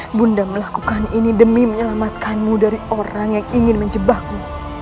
ibunda melakukan ini demi menyelamatkanmu dari orang yang ingin menjebakmu